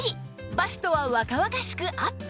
バストは若々しくアップ！